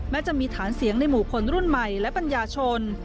จะมีฐานเสียงในหมู่คนรุ่นใหม่และปัญญาชน